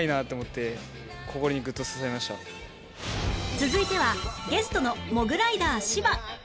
続いてはゲストのモグライダー芝